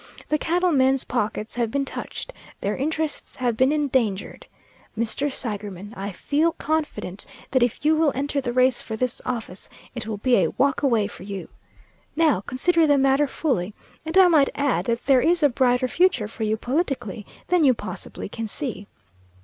The cattle men's pockets have been touched, their interests have been endangered. Mr. Seigerman, I feel confident that if you will enter the race for this office, it will be a walk away for you. Now consider the matter fully, and I might add that there is a brighter future for you politically than you possibly can see.